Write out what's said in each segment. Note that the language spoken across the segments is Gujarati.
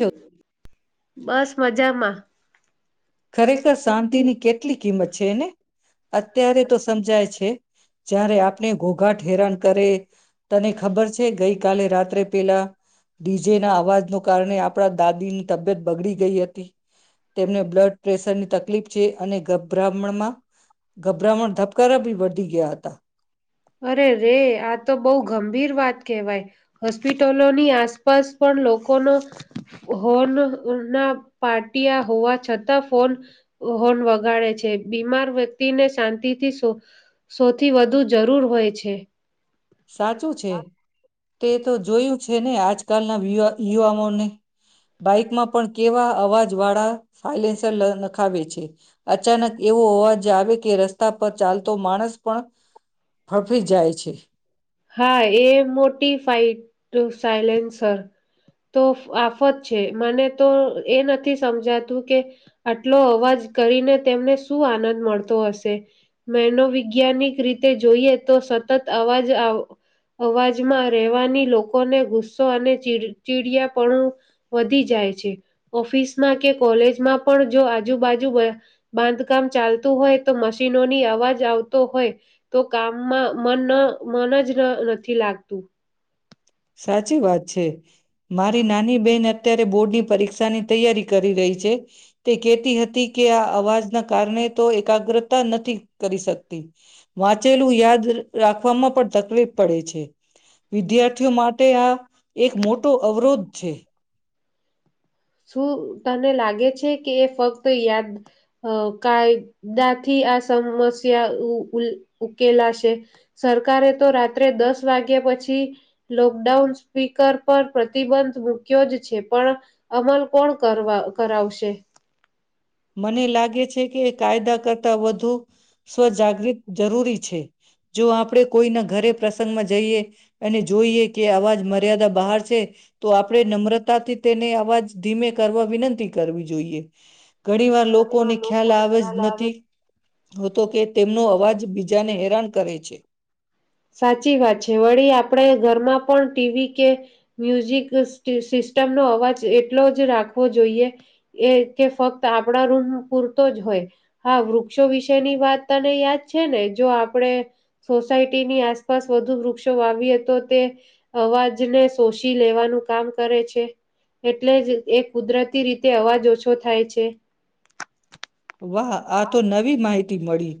જો બસ મજામાં. ખરેખર શાંતિની કેટલી કિંમત છેને અત્યારે તો સમજાય છે જારે આપણે ઘોઘાટ હેરાન કરે તને ખબર છે ગઈ કાલે રાત્રે પેલા ડી જે ના અવાજ ન કારણે આપ આપણા દાદી ની તબિયત બગડી ગેલી હતી. તેમને બ્લડ પ્રેસરની તકલીફ છે. અને ગભ્રહ્મણમાં ગભરામણ ધબકારા બી બઢી ગયા હતા. અરે રે આ તો બહુ ગંભીર વાત કહેવાય હોસ્પિટલોની આસપાસ પણ લોકોનો હોન ના પાટિયા હોવા છતાં ફોન હોન વગાડે છે બીમાર વ્યક્તિને શાંતિથી સૌથી વધુ જરૂર હોય છે. સાચું છે. તે તો જોયું છે ને. આજકાલના [unintelligible] વા યુવાઓને બાઈકમાં પણ કેવા અવાજ વાળા [unintelligible] નખાવે છે. અચાનક એવું અવાજ આવે. કે રસ્તા પર ચાલતો માણસ પણ ફફી જાય છે. હા એ મોટી ફાઈટ સાયલેન્સર તો આફત છે મને તો એ નથી સમજાતું કે આટલો અવાજ કરીને તેમને શું આનંદ મળતો હશે એનોવૈજ્ઞાનિક રીતે જોઈએ તો સતત અવાજ અવાજમાં રહેવાની લોકોને ગુસ્સો અને ચીડ ચીડિયાપણું વધી જાય છે ઓફિસમાં કે કોલેજમાં પણ જો આજુબાજુ બાંધકામ ચાલતું હોય તો મશીનોની અવાજ આવતો હોય. તો કામમાં મન મન જ નથી લાગતું. સાચી વાત છે. મારી નાની બેહેન અત્યારે બોર્ડની પરીક્ષાની તૈયારી કરી રહી છે તે કેતી હતી કે આ અવાજના કારણે તો એકાગ્રતા નથી કરી શકતી. વાંચેલું યાદ રાખવામાં પણ તકલીફ પડે છે વિદ્યાર પ છે. શું તને લાગે છે કે એ ફક્ત યાદ અ કાયદાથી આ સમસ્યા ઉ ઉકેલાશે સરકારે તો રાત્રે દસ વાગ્યા પછી લોકડાઉન સ્પીકર પર પ્રતિબંધ મૂક્યો જ છે પણ અમલ કોણ કરવા કરાવશે. મને લાગે છે કે કાયદા કરતા વધુ સ્વજાગૃત જરૂરી છે જો આપણેે કોઈના ઘરે પ્રસંગમાં જઈએ અને જોઈએ કે અવાજ મર્યાદા બહાર છે. તો આપડણે નમ્રતાથી તેને અવાજ ધીમે કરવા વિનંતી કરવી જોઈએ. ઘણી વાર લોકોને ખ્યાલ આવે જ નથી હોતો કે તેમનો અવાજ બીજાને હેરાન કરે છે. સાચી વાત છે વળી આપણે ઘરમાં પણ ટીવી કે મ્યુઝિક સ્ટ-સિસ્ટમનો અવાજ એટલો જ રાખવો જોઈએ એ કે ફક્ત આપણા રૂમ પૂરતો જ હોય. હા, વૃક્ષો વિશેની વાત તને યાદ છે ને જો આપણે સોસાયટી ની આસપાસ વધુ વૃક્ષો વાવી તો તે અવાજને શોષી લેવાનું કામ કરે છે એટલે જ એ કુદરતી રીતે અવાજ ઓછો થાય છે. વાહ, આ તો નવી માહિ મળી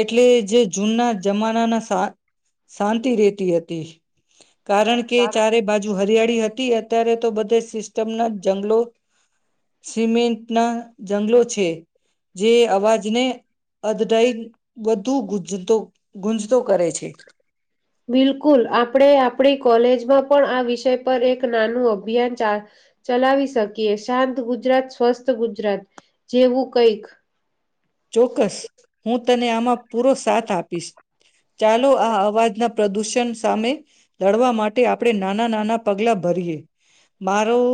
એટલે જે જૂના જમાનાના શાંત-શાંતિ રહેતી હતી. કારણ કે ચારે બાજુ હરિયાળી રહેતી હતી અત્યારે તો બધે સિસ્ટમના જંગલો સિમેન્ટના જંગલો છે. જે અવાજને અધડાઈ વધુ ગુંજતો ગુંજતો કરે છે. બિલકુલ. આપણે આપણી કોલેજમાં પણ આ વિષય પર એક નાનું અભિયાન ચા ચલાવી શકીએ, શાંત ગુજરાત સ્વસ્થ ગુજરાત, જેવું કંઈક. ચોક્કસ. હું તને આમાં પૂરો સાથ આપીશ. ચાલો આ અવાજ ના પ્રદૂષણ સામે લડવા માટે આપણે નાના-નાના પગલા ભરીએ. મારું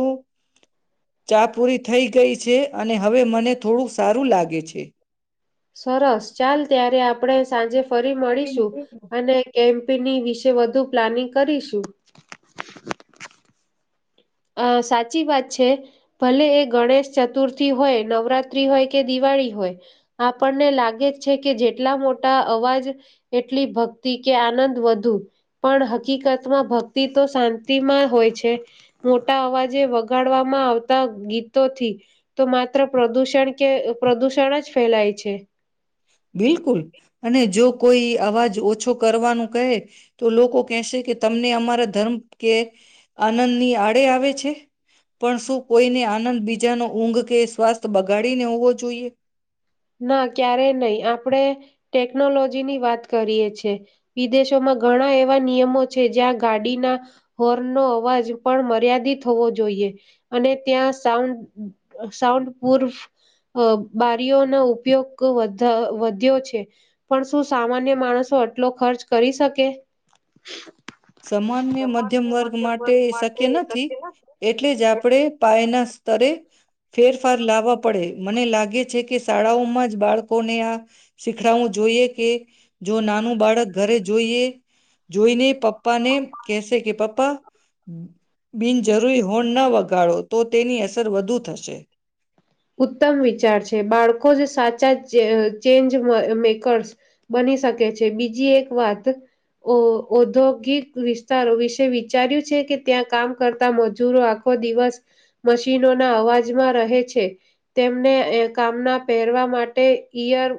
ચા પૂરી થઈ ગઈ છે અને હવે મને થોડું સારું લાગે છે. સરસ ચાલ ત્યારે આપડે સાંજે ફરી મળીશું. અને કેમ [unintelligible] ની વિશે વધુ પ્લાનિંગ કરીશું. આ સાચી વાત છે. ભલે એ ગણેશ ચતુર્થી હોય, નવરાત્રી હોય, કે દિવાળી હોય, આપણને લાગે જ છે કે જેટલા મોટા અવાજ એટલી ભક્તિ કે આનંદ વધુ, પણ હકીકતમાં ભક્તિ તો શાંતિમાં હોય છે. મોટા અવાજે વગાડવામાં આવતા ગીતોથી તો માત્ર પ્રદૂષણ કે પ્રદૂષણ જ ફેલાય છે. બિલકુલ. અને જો કોઈ અવાજ ઓછો કરવાનું કહે તો લોકો કેશે કે તમને અમારા ધર્મ કે આનંદની આડે આવે છે. પણ શું કોઈની આનંદ બીજ જાનો ઊંઘ કે સ્વાસ્થ બગાડીને હોવો જોઈએ? ના ક્યારેય નહી. આપણે ટેકનોલોજીની વાત કરીએ છે. વિદેશોમાં ઘણા એવા નિયમો છે જ્યાં ગાડીના હોર્નનો અવાજ પણ મર્યાદિત હોવો જોઈએ, અને ત્યાં સાઉન્ડ સાઉન્ડ પૂર્ફ અહ બારીઓ નો ઉપયોગ વધ વધ્યો છે. પણ શું સામાન્ય માણસો આટલો ખર્ચ કરી શકે? સામાન્ય મધ્યમ વર્ગ માટે એ શક્ય નથી, એટલે જ આપણેે પાયના તરે ફેરફાર લાવવા પડે. મને લાગે છે કે શાળાઓમાં જ બાળકોને આ શીખડાવું જોઈએ કે જો નાનું બાળક ઘરે જ જોઈએ. જોઈને પપ્પ ને કેસે કે પપ્પા બિન જરૂરી હોર્ન ના વગાડો તો તેની અસર વધુ થશે. ઉત્તમ વિચાર છે. બાળકો જ સાચા જ ચેન્જ મ મેકર્સ બની શકે છે. બીજી એક વાત, ઓ ઔધોગિક વિસ્તારો વિશે વિચાર્યું છે કે ત્યાં કામ કરતા મજૂરો આખો દિવસ મશીનોના અવાજમાં રહે છે. તેમને કામના પહેરવા માટે ઈયર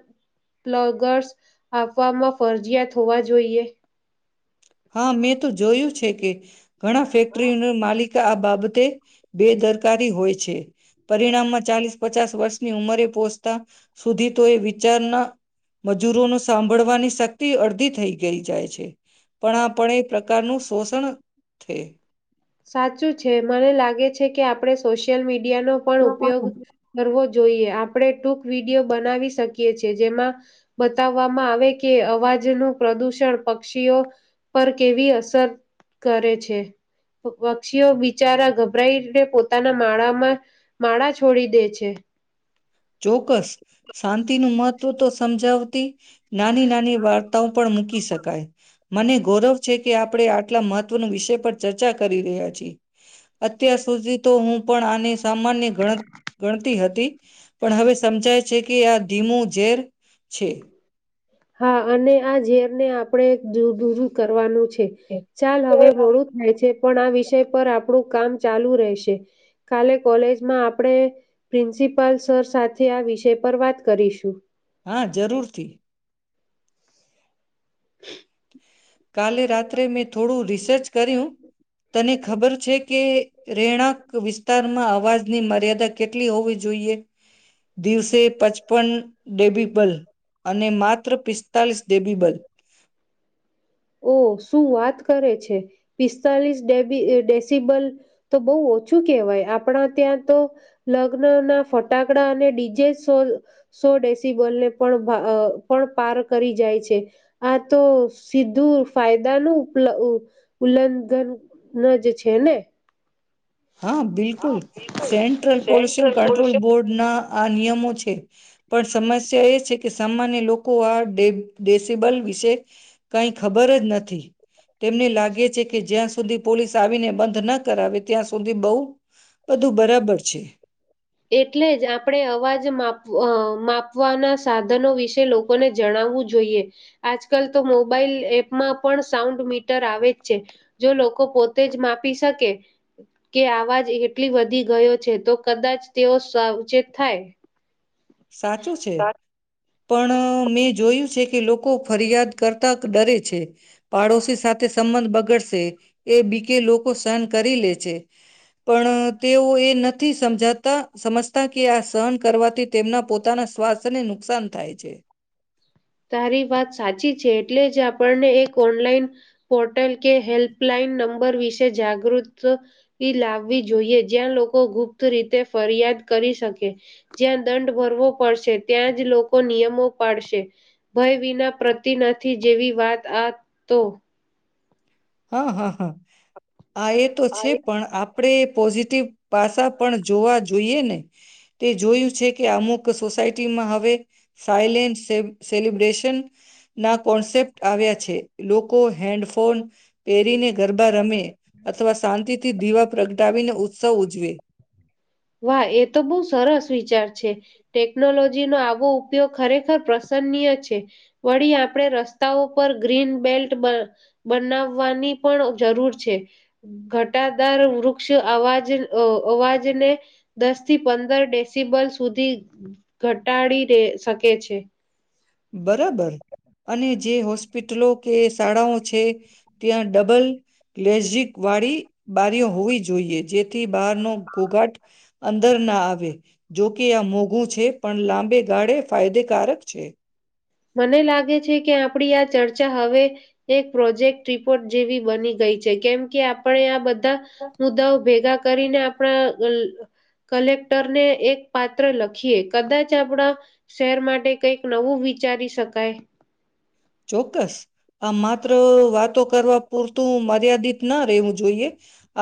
પ્લગર્સ આપવામાં ફરજીિયાત હોવા જોઈએ. હા મેં તો જોયું છે કે ઘણા ફેક્ટરી નન માલિક કે આ બાબતે બેદરકારી હોય છે. પરિણામમાં ચાલીસ પચાસ વર્ષની ઉંમરે પહોચતા સુધી તો એ વિચારના મજૂરોનો સાંભ ભળવાની શક્તિ અડધી થઈ ગઈ જાય છે. પણ આ પણ એક પ્રકારનું શોષણ થે. સાચું છે. મને લાગે છે કે આપણે સોશિયલ મીડ ડિયા નો પણ ઉપયોગ કરવો જ જોઈએ. આપણે ટૂંક વિડિયો બનાવી શકીએ છે, જેમાં બતાવવામાં આવે કે અવાજનું પ્રદુષણ પક્ષીઓ પર કેવી અસર કરે છે. પ પક્ષીઓ બિચારા ગભરાઈને પોતાના માળામાં માળા છોડી દે છે. ચોક્કસ. શાંતિનું મહત્ત્વ તો સમજાવ તી નાની-નાની વાર્તા પણ મૂકી શકાય. મને ગૌરવ છે કે આપણે આટલા મહત્વનો વિષય પર ચર્ચા કરી રહ્યા છી. અત્યાર સુધી તો હું પણ આની સામાન્ય ગણ ગણતી હતી. પણ હવે સમજાય છે કે આ ધીમું ઝેર છે. હા અને આ ઝેર ને આપણે દુર દૂરૂ કરવાનું છે. એ ચાલ હવે મોડું થાય છે. પણ આ વિષય પર આપણું કામ ચાલુ રહેશે. કાલે કોલેજમાં આપણે પ્રિન્સિપાલ સર સાથે આ વિષય પર વાત કરીશું. હા જરૂરથી. [inaudible] કાલે રાત્રે મેં થોડું રિસ સર્ચ કર્યું તને ખબર છે કે રેહણાંક વિસ્તારમાં આ અવાજની મર્યાદા કેટલી હોવી જોઈએ? દિવસે પચપન ડેબીબલ અને માત્ર પિસ્તાલીસ ડેબીબલ. ઓહ, શું વાત કરે છે! પિસ્તાલીસ ડેબી ડેસિબલ તો બોવ ઓછું કહેવાય આપણા ત્યાં તો લગ્નના ફટાકડા અને ડીજે સો સો ડેસિબલને પણ પણ પા પાર કરી જાય છે આ તો સીધું ફાયદાનુ ઉપલ ઉલ્લંઘન જ છે ને હા બિલકુલ સેન્ટ્રલ પોલ્યુશન કંટ્રોલ બોર્ડના આ નિયમો છે પણ સમસ્યા એ છે કે સામાન્ય લોકો આ ડેબ ડેસીબલ વિશે કઈ ખબર જ નથી તેમને લાગે છે કે જ્યાં સુધી પોલીસ આવીને બંધ ન કરાવે ત્યાં સુધી બહુ બધું બરાબર છે. એટલે જ આપણે અવાજ માપ અ માપવાના સાધનો વિશે લોકોને જણાવવું જોઈએ આજકાલ તો મોબાઈલ એપમાં પણ સાઉન્ડ મીટર આવે જ છે જો લોકો પોતે જ માપી શકે કે આવાજ એટલી વધી ગયો છે તો કદાચ તેઓ સાવચેત થાય. સાચું છે. પણ મેં જોયું છે કે લોકો ફરિયાદ કરતા ડરે છે પાડોશી સાથે સંબંધ બગડશે એ બીકે લોકો સહન કરી લે છે પણ તેઓ એ નથી સમજાતા સમજ કે આ સહન કરવાથી તેમના પોતાના સ્વાસ્થ્યને નુકસાન થાય છે. તારી વાત સાચી છે એટલે જ આપણને એક ઓનલાઈન પોર્ટલ કે હેલ્પલાઈન નંબર વિશે જાગૃતતિ લાવવી જોઈએ જ્યાં લોકો ગુપ્ત રીતે ફરિયાદ કરી શકે જ્યાં દંડ ભરવો પડશે ત્યાં જ લોકો નિયમો પાડશે. ભય વિના પ્રતિ નથી જેવી વાત આ તો હ હ હ. હા એ તો છે પણ આપ આપણે પોઝિટિવ ભાષા પણ જોવા જોઈએ ને તે જોયું છે કે અમુક સોસાયટીમાં હવે સાયલેન્ટ સે સેલિબ્રેશન ના કોન્સેપ્ટ આવ્યા છે લોકો હેન્ડફોન પહેરીને ગરબા રમે અથવા શાંતિથી દીવા પ્રગ ટાવીને ઉત્સવ ઉજવે. વાહ એ તો બહુ સરસ વિચાર છે ટેકનોલોજીનો આવો ઉપયોગ ખરેખર પ્રસન્નીય છે વળી, આપણે રસ્તાઓ પર ગ્રીન બેલ્ટ બન બનાવવાની પણ જરૂર છે ઘટાદાર વૃક્ષ અવાજ અ અવાજને દસથી પંદર ડેસિબલ સુધી ઘટાડી દે શકે છે. બરાબર અને જે હોસ્પિટલો કે શાળાઓ છે, ત્યાં ડબલ લેઝિક વાળી બારીઓ હોવી જોઈએ જે થી બહાર નું ઘોઘાટ અંદર ના આવે, જોકે આ મોઘું છે. પણ લાંબે ગાળે ફાયદેકારક છે. મને લાગે છે કે આપણી આ ચર્ચા હવે એક પ્રોજેક્ટ રિપોર્ટ જેવી બની ગઈ છે કેમ કે આપણે આ બધ ધા મુદ્દાઓ ભેગા કરીને આપણા અ કલેક્ટર ને એક પાત્ર લખીએ કદાચ આપણા શહેર માટે કંઈક નવું વિ ચારી શકાય. ચોક્કસ. આ માત્ર વાતો કરવા પૂર તું મર્યાદિત ન રહેવું જોઈએ.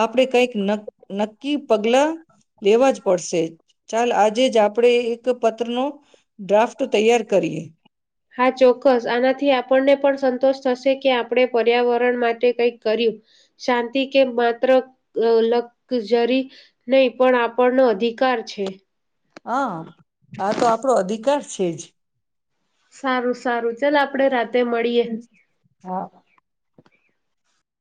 આપણે કંઈક ન નક્કી પગલા લેવા જ પડશે ચાલ આજે જ આપણેે પતનું હા ચોક્કસ આનાથી આપ આપણને પણ સંતોષ થશે કે આપણે પર્યાવરણ માટે કંઈક કર્યું. શાંતિ કે માત્ર લકજરી નહીં, પણ આપણનો અધિકાર છે. હા, આ તો આપણો અધિકાર છે. તે જ. સારું, સારું. ચાલ આપડે રાત્રે. હા.